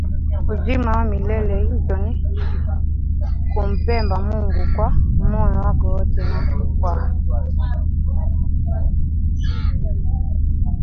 uzima wa milele hizo ni kumpenda Mungu kwa moyo wako wote na kwa